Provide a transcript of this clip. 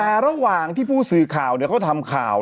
แต่ระหว่างที่ผู้สื่อข่าวเขาทำข่าว